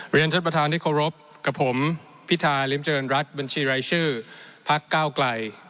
เรียนท่านประธานที่เคารพกับผมพิธาริมเจริญรัฐบัญชีรายชื่อพักเก้าไกล